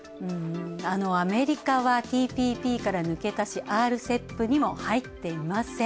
アメリカはＴＰＰから抜けたしＲＣＥＰにも入っていません。